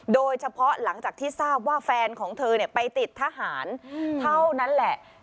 โดยเฉพาะหลังจากที่ทราบว่าแฟนของเธอไปติดทหารเท่านั้นแหละ